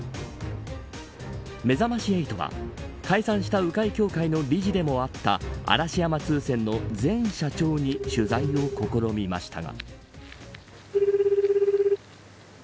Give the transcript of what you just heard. めざまし８は解散した鵜飼協会の理事でもあった嵐山通船の前社長に取材を試みましたが。